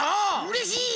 うれしい！